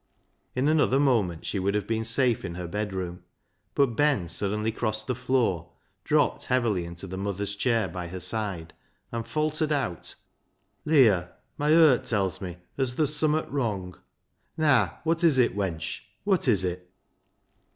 In another moment she would have been safe in her bedroom, but Ben suddenly crossed the floor, dropped heavily into the mother's chair by her side, and faltered out —" Leah, my hert tells me as ther's summat wrung. Naa, wot is it, wench, wot is it